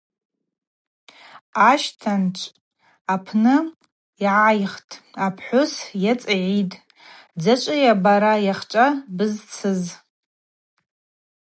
Ащтанчӏв апны йгӏайхтӏ, апхӏвыс йацӏгӏитӏ: Дзачӏвызда бара йахьчӏва бызцыз.